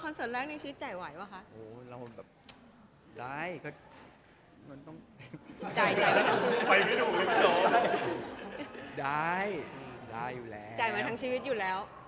มีใจมาทั้งชีวิตอยู่แล้ว